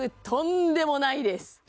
とんでもないです！